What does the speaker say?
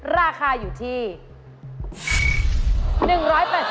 ราคาอยู่ที่๑๘๐บาท